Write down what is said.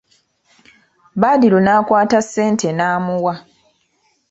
Badru n'akwata ssente n'amuwa.